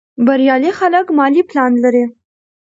بریالي خلک مالي پلان لري.